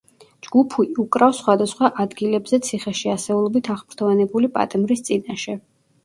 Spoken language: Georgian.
ჯგუფი უკრავს სხვადასხვა ადგილებზე ციხეში ასეულობით აღფრთოვანებული პატიმრის წინაშე.